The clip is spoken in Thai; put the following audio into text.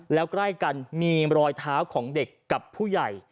แล้วใกล้กันมีรอยเท้าของเด็กกับผู้ใหญ่